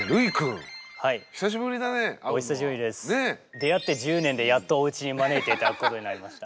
出会って１０年でやっとおうちに招いて頂くことになりました。